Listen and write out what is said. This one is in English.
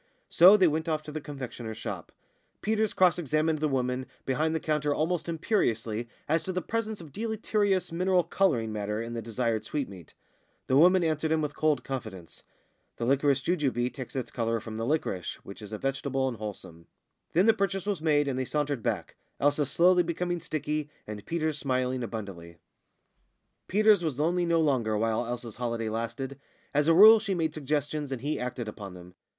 So they went off to the confectioner's shop. Peters cross examined the woman behind the counter almost imperiously as to the presence of deleterious mineral colouring matter in the desired sweetmeat. The woman answered him with cold confidence: "The liquorice jujube takes its colour from the liquorice, which is a vegetable and wholesome." Then the purchase was made, and they sauntered back Elsa slowly becoming sticky, and Peters smiling abundantly. Peters was lonely no longer while Elsa's holiday lasted. As a rule she made suggestions, and he acted upon them.